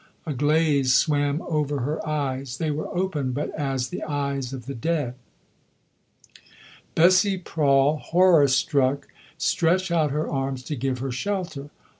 A glaze swam over her eyes; they were open, but as the eyes of the dead. Bessie Prawle, horror struck, stretched out her arms to give her shelter.